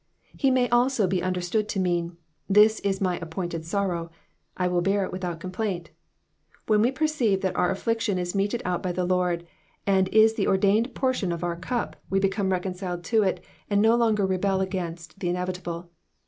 He may also be understood to mean, *^this is my appointed sorrow,'* I will bear it without complaint. When we perceive that our affliction is meted out by the Lord, and is the ordained portion of our cup, we become reconciled to it, and no longer rebel a^inst the inevitable.